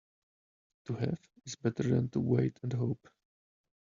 To have is better than to wait and hope.